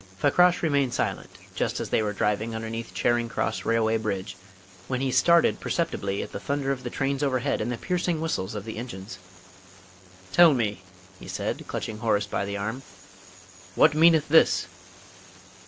Fakrash remained silent just as they were driving underneath Charing Cross Railway Bridge, when he started perceptibly at the thunder of the trains overhead and the piercing whistles of the engines. "Tell me," he said, clutching Horace by the arm, "what meaneth this?"